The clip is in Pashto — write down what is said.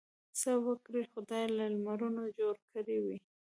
څه وګړي خدای له لمرونو جوړ کړي وي.